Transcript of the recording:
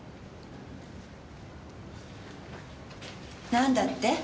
何だって？